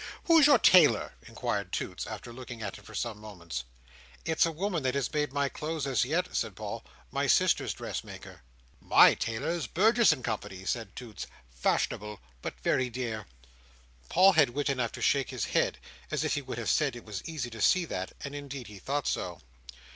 "Who's your tailor?" inquired Toots, after looking at him for some moments. "It's a woman that has made my clothes as yet," said Paul. "My sister's dressmaker." "My tailor's Burgess and Co.," said Toots. "Fash'nable. But very dear." Paul had wit enough to shake his head, as if he would have said it was easy to see that; and indeed he thought so.